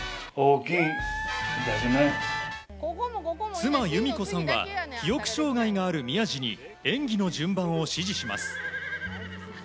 妻・裕美子さんは記憶障害がある宮路に演技の順番を指示します。